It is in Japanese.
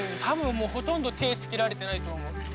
多分ほとんど手つけられてないと思う。